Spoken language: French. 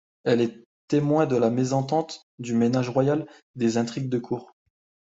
Elle est témoin de la mésentente du ménage royal et des intrigues de cour.